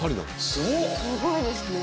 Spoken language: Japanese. すごいですね。